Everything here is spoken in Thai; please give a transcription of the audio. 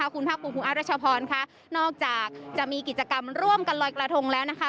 คุณภาคภูมิคุณอารัชพรค่ะนอกจากจะมีกิจกรรมร่วมกันลอยกระทงแล้วนะคะ